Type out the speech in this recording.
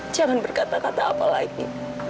jangan berkata kata apa lainnya